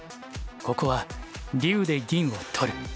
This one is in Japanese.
ここは竜で銀を取る。